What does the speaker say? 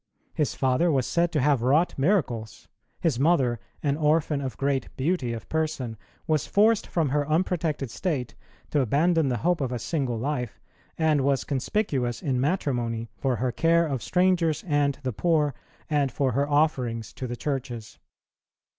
His father was said to have wrought miracles; his mother, an orphan of great beauty of person, was forced from her unprotected state to abandon the hope of a single life, and was conspicuous in matrimony for her care of strangers and the poor, and for her offerings to the churches.